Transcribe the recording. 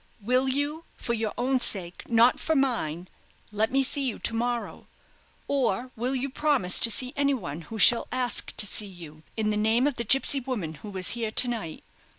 Will you, for your own sake, not for mine, let me see you to morrow; or will you promise to see anyone who shall ask to see you, in the name of the gipsy woman who was here to night?